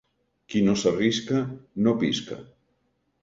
Qui no s'arrisca no pisca.